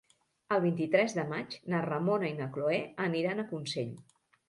El vint-i-tres de maig na Ramona i na Cloè aniran a Consell.